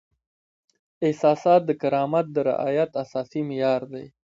احساسات د کرامت د رعایت اساسي معیار دی.